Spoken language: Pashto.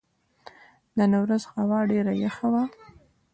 نن ورځ هوا ډېره یخه وه.